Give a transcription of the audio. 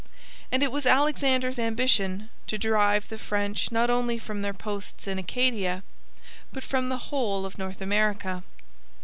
And it was Alexander's ambition to drive the French not only from their posts in Acadia but from the whole of North America.